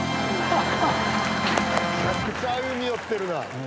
めちゃくちゃ歩み寄ってるな。